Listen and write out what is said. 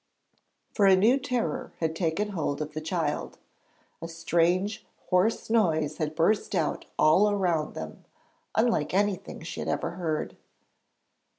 For a new terror had taken hold of the child. A strange hoarse noise had burst out all round them, unlike anything she had ever heard.